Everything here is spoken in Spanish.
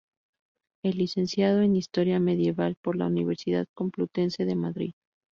Es licenciado en Historia Medieval por la Universidad Complutense de Madrid.